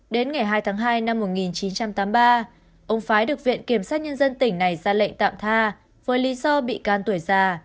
đến ngày hai tháng hai năm một nghìn chín trăm tám mươi ba ông phái được viện kiểm sát nhân dân tỉnh này ra lệnh tạm tha với lý do bị can tuổi già